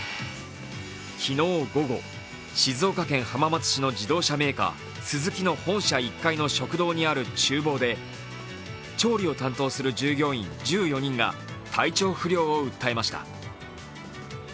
昨日午後、静岡県浜松市の自動車メーカー、スズキの本社１階の食堂にあるちゅう房で調理を担当する従業員１４人が体調不良を訴えました。